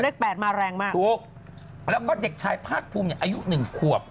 เลข๘มาแรงมากถูกแล้วก็เด็กชายภาคภูมิอายุ๑ควบ